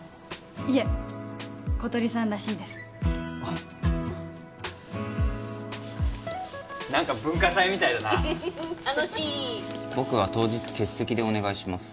いえ小鳥さんらしいです何か文化祭みたいだな楽しい僕は当日欠席でお願いします